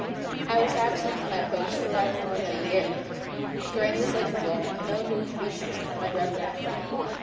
I was absent from my post for rather more than a year. During this interval no news reached me from my reverend friend.